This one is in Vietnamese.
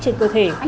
trên cơ thể